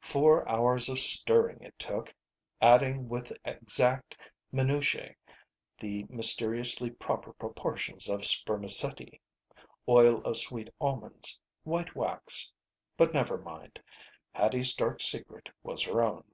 Four hours of stirring it took, adding with exact minutiae the mysteriously proper proportions of spermacetti, oil of sweet almonds, white wax But never mind. Hattie's dark secret was her own.